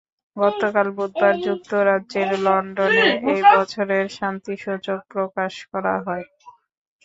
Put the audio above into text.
গতকাল বুধবার যুক্তরাজ্যের লন্ডনে এ বছরের শান্তি সূচক প্রকাশ করা হয়।